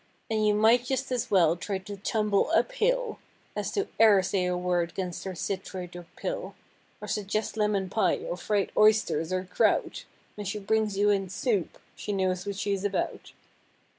And you might just as well try to tumble up hill As to e'er say a word 'gainst her citrate or pill; Or suggest lemon pie, or fried oysters or kraut, When she brings you in "soup," she knows what she's about.